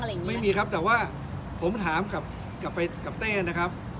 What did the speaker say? วันนี้ไม่มีครับแต่ถามว่าไม่มีครับแต่ว่าผมถามกับเต้นะครับ